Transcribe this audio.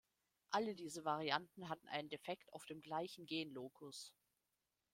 Alle diese Varianten hatten einen Defekt auf dem gleichen Genlocus.